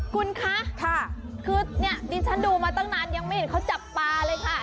คุณคะคือเนี่ยดิฉันดูมาตั้งนานยังไม่เห็นเขาจับปลาเลยค่ะ